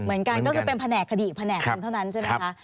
ก็คือเป็นแผนกคดีแผนกกันเท่านั้นใช่ไหมคะ